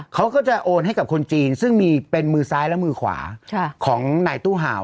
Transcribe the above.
เขาก็จะโอนให้กับคนจีนซึ่งมีเป็นมือซ้ายและมือขวาของนายตู้ห่าว